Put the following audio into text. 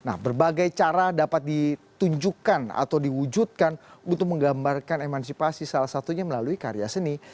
nah berbagai cara dapat ditunjukkan atau diwujudkan untuk menggambarkan emansipasi salah satunya melalui karya seni